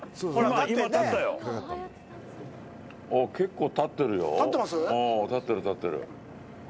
立ってる、立ってる。